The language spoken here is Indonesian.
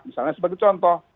misalnya sebagai contoh